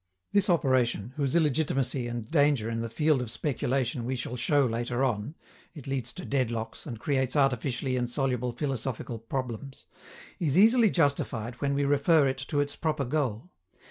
This operation, whose illegitimacy and danger in the field of speculation we shall show later on (it leads to dead locks, and creates artificially insoluble philosophical problems), is easily justified when we refer it to its proper goal.